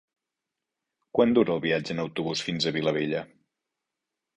Quant dura el viatge en autobús fins a Vilabella?